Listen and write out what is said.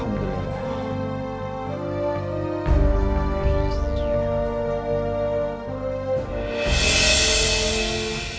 terima kasih kiai